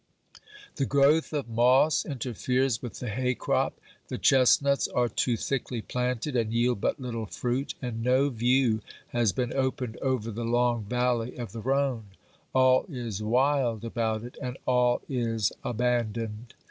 The growth of moss interferes with the hay crop, the chestnuts are too thickly planted and yield but little fruit, and no view has been opened over c 34 OBERMANN the long valley of the Rhone; all is wild about it, and all is abandoned.